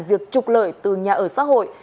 việc trục lợi từ nhà ở xã hội